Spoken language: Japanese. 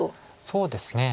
そうですね。